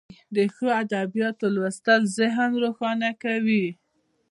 د ښو ادبیاتو لوستل ذهن روښانه کوي.